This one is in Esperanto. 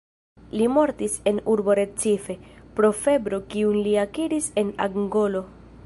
Li mortis en urbo Recife, pro febro kiun li akiris en Angolo.